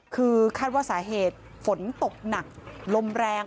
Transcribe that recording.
คือคาดว่าสาเหตุฝนตกหนักลมแรง